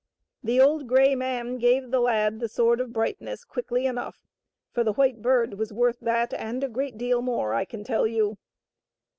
The old grey man gave the lad the Sword of Brightness quickly enough, for the White Bird was worth that and a great deal more, I can tell you.